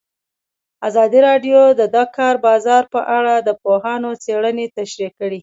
ازادي راډیو د د کار بازار په اړه د پوهانو څېړنې تشریح کړې.